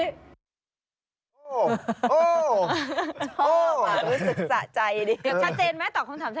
ชอบอ่ะรู้สึกสะใจดี